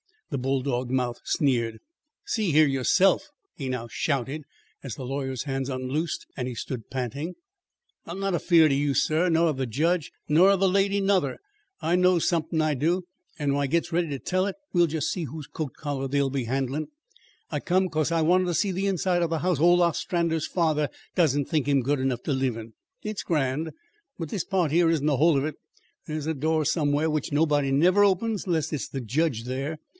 the bulldog mouth sneered. "See here yourself," he now shouted, as the lawyer's hands unloosed and he stood panting; "I'm not afeard o' you, sir, nor of the jedge, nor of the lady nuther. I KNOWS somethin', I do; and when I gets ready to tell it, we'll just see whose coat collar they'll be handlin'. I came 'cause I wanted to see the inside o' the house Ol Ostrander's father doesn't think him good enough to live in. It's grand; but this part here isn't the whole of it. There's a door somewhere which nobody never opens unless it's the jedge there.